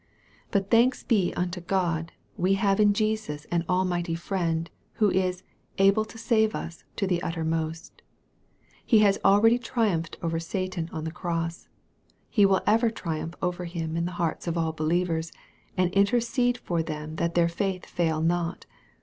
But, thanks be unto God, we have in Jesus an almighty Friend, who is " able to save us to the uttermost." He has already triumphed over Satan on the cross. He will ever triumph over him in the hearts of all believers, and intercede for them that their faith fail not.